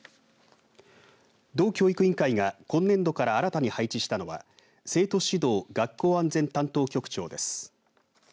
道教育委員会が今年度から新たに配置したのは生徒指導・学校安全担当局長です。